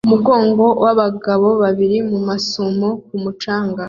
Umugongo wabagore babiri mumasume ku mucanga